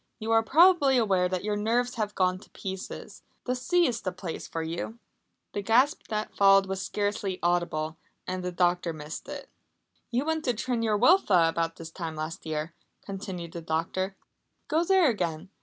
"You are probably aware that your nerves have gone to pieces. The sea is the place for you!" The gasp that followed was scarcely audible, and the doctor missed it. "You went to Tryn yr Wylfa about this time last year," continued the doctor. "Go there again!